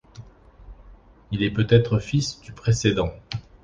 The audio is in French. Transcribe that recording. Il est peut-être fils du précédent.